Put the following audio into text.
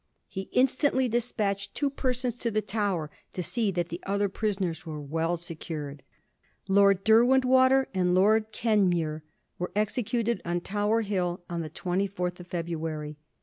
He instantly despatched two persons to the Tower to see that the other prisoners were well secured.' Lord Derwentwater and Lord Kenmure were executed on Tower Hill on the 24th February.